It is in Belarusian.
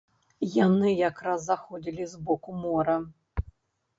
Яны якраз заходзілі з боку мора.